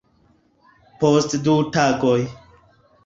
Post du tagoj